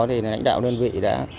thì lãnh đạo đơn vị đã